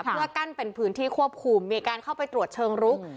เพื่อกั้นเป็นพื้นที่ควบคุมมีการเข้าไปตรวจเชิงรุก